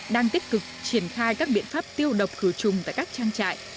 đang tích cực triển khai các biện pháp tiêu độc khử trùng tại các trang trại